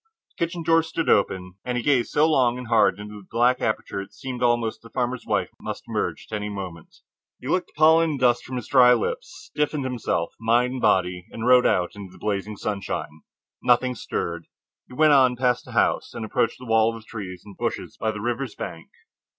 The kitchen door stood open, and he gazed so long and hard into the black aperture that it seemed almost that a farmer's wife must emerge at any moment. He licked the pollen and dust from his dry lips, stiffened himself, mind and body, and rode out into the blazing sunshine. Nothing stirred. He went on past the house, and approached the wall of trees and bushes by the river's bank.